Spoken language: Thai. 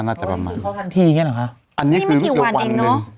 น่าจะประมาณอันนี้คือวันเองเนอะวันหนึ่ง